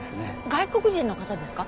外国人の方ですか？